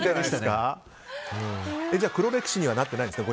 黒歴史にはなってないんですか？